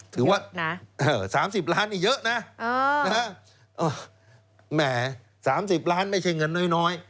ถือว่า๓๐ล้านนี่เยอะนะแหม๓๐ล้านไม่ใช่เงินน้อย